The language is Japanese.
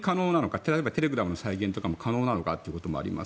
例えばテレグラムの再現が可能なのかということもあります